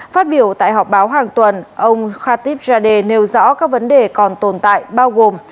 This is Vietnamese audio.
phát biểu tại họp báo hàng tuần ông khativ rade nêu rõ các vấn đề còn tồn tại bao gồm